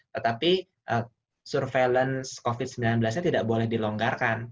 tetapi surveillance covid sembilan belas nya tidak boleh dilonggarkan